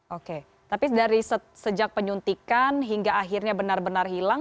oke tapi dari sejak penyuntikan hingga akhirnya benar benar hilang